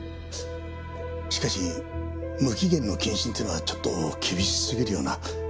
しかし無期限の謹慎っていうのはちょっと厳しすぎるような。